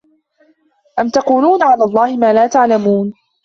ۖ أَمْ تَقُولُونَ عَلَى اللَّهِ مَا لَا تَعْلَمُونَ